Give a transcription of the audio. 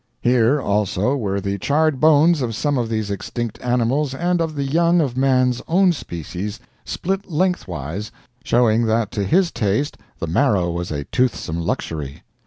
Here, also, were the charred bones of some of these extinct animals and of the young of Man's own species, split lengthwise, showing that to his taste the marrow was a toothsome luxury.